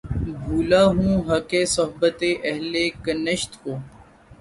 بھولا ہوں حقِ صحبتِ اہلِ کنشت کو